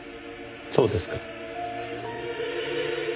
そうですか。